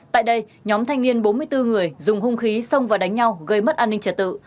tại đây nhóm thanh niên bốn mươi bốn người dùng hung khí xông vào đánh nhau gây mất an ninh trật tự